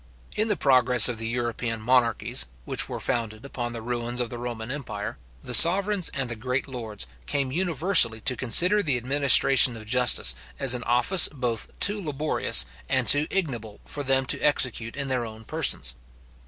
In the progress of the European monarchies, which were founded upon the ruins of the Roman empire, the sovereigns and the great lords came universally to consider the administration of justice as an office both too laborious and too ignoble for them to execute in their own persons.